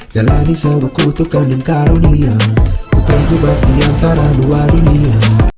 jalani sewuku tukang dan karunia ku terjebak di antara dua dunia